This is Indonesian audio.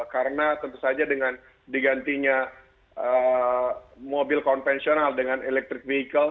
karena tentu saja dengan digantinya mobil konvensional dengan electric vehicle